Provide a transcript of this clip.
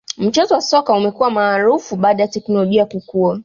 mchezo wa soka umekua maarufi baada ya teknolojia kukua